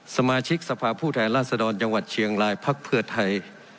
สมาชิกสภาพผู้แทนราชดรจังหวัดเชียงรายพักเพื่อไทย